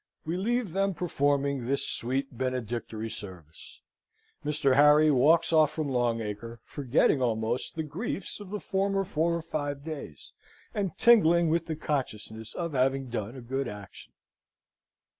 We leave them performing this sweet benedictory service. Mr. Harry walks off from Long Acre, forgetting almost the griefs of the former four or five days, and tingling with the consciousness of having done a good action.